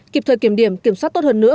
kịp thời kiểm điểm kiểm soát tốt hơn nữa